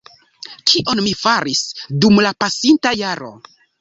kion mi faris dum la pasinta jaro.